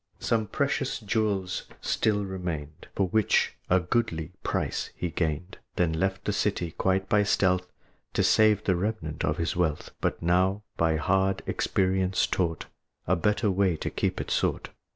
Some precious jewels still remained, For which a goodly price he gained, Then left the city, quite by stealth, To save the remnant of his wealth; But now, by hard experience taught, A better way to keep it sought.